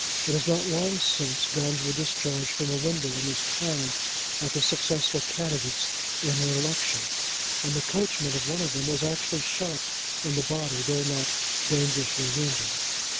It is not long since guns were discharged from a window in this town at the successful candidates in an election, and the coachman of one of them was actually shot in the body, though not dangerously wounded.